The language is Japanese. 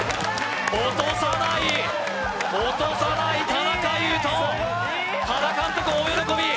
落とさない落とさない田中悠登原監督大喜び